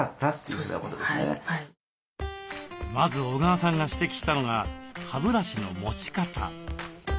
まず小川さんが指摘したのが歯ブラシの持ち方。